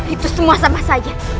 itu semua sama saya